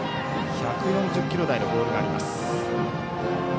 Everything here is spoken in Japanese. １４０キロ台のボールがあります。